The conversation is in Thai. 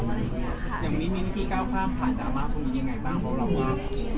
อย่างนี้มิ้นพี่ก้าวข้ามผ่านดราม่าภูมิยังไงบ้าง